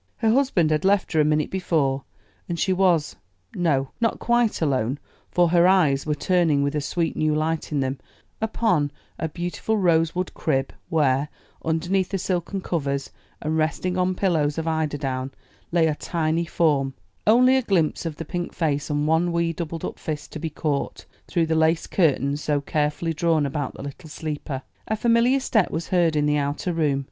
Her husband had left her a minute before, and she was no, not quite alone, for her eyes were turning with a sweet, new light in them, upon a beautiful rosewood crib where, underneath the silken covers and resting on pillows of eider down, lay a tiny form, only a glimpse of the pink face and one wee doubled up fist to be caught through the lace curtains so carefully drawn about the little sleeper. A familiar step was heard in the outer room.